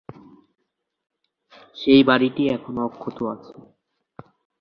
সেই বাড়িটি এখনো অক্ষত আছে।